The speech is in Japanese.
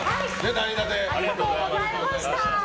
代打でありがとうございました。